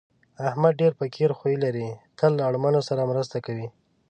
احمد ډېر فقیر خوی لري، تل له اړمنو سره مرسته کوي.